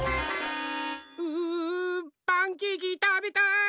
うパンケーキたべたい！